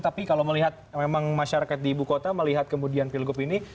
tapi kalau melihat memang masyarakat di ibu kota melihat kemudian pilgub ini